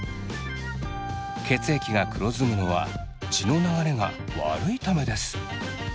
血液が黒ずむのは血の流れが悪いためです。